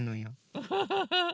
ウフフフ。